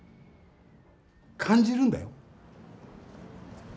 感じるんだよ。